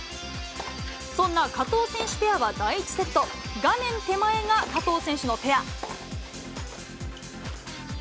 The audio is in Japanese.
そんな加藤選手ペアは第１セット、画面手前が加藤選手のペア。